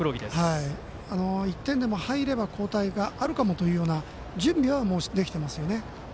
１点でも入れば交代があるかもという準備はできていますよね。